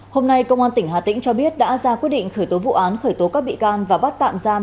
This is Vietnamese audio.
hôm nay công an tỉnh hà tĩnh cho biết đã ra quyết định khởi tố vụ án khởi tố các bị can và bắt tạm giam